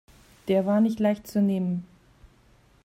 Der war nicht leicht zu nehmen.